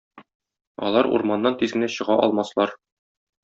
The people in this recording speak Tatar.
Алар урманнан тиз генә чыга алмаслар.